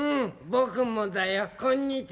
ぼくもだよこんにちは。